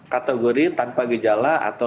kategori tanpa gejala atau